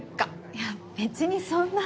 いや別にそんな。